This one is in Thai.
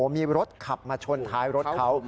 มีรถขับมาชนท้ายรถเขา